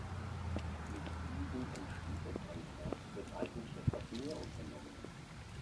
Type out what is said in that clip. Mit diesem Entschließungsantrag wird eigentlich etwas mehr unternommen.